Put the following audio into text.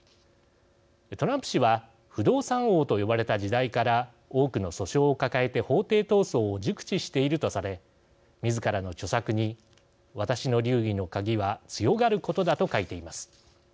トランプ氏は不動産王と呼ばれた時代から多くの訴訟を抱えて法廷闘争を熟知しているとされみずからの著作に「私の流儀の鍵は強がることだ」と書いています。